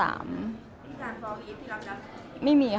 อเรนนี่มีหลังไม้ไม่มี